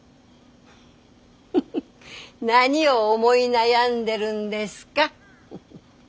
フフ何を思い悩んでるんですか？